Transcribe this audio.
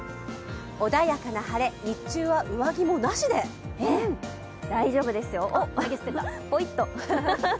穏やかな晴れ、日中は上着もなしで大丈夫ですよ、上着、ぽいっと。